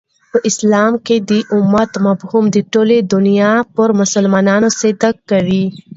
په اسلام کښي د امت مفهوم د ټولي دنیا پر مسلمانانو صدق کوي.